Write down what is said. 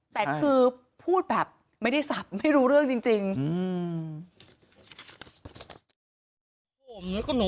แต่คือพูดแบบไม่ได้สับไม่รู้เรื่องจริงจริงอืม